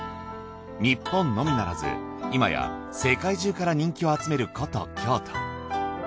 日本のみならず今や世界中から人気を集める古都京都。